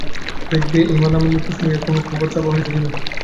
দেখবে, ইমা নামের নিখোঁজ মেয়ের কোনো খবর ছাপা হয়েছে কি না।